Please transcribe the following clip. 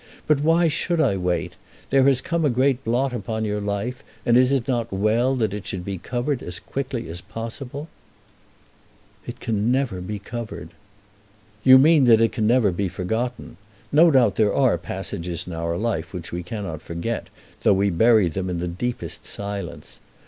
But why should I wait? There has come a great blot upon your life, and is it not well that it should be covered as quickly as possible?" "It can never be covered." "You mean that it can never be forgotten. No doubt there are passages in our life which we cannot forget, though we bury them in the deepest silence.